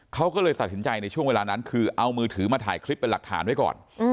เขาก็เลยตัดสินใจในช่วงเวลานั้นคือเอามือถือมาถ่ายคลิปเป็นหลักฐานไว้ก่อน